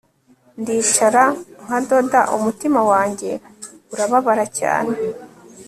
ndicara nkadoda - umutima wanjye urababara cyane